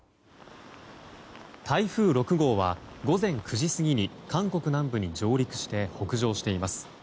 台風６号は午前９時過ぎに韓国南部に上陸して北上しています。